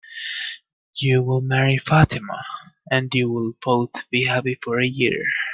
You'll marry Fatima, and you'll both be happy for a year.